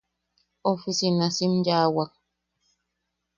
Ofisinasim yaʼawak.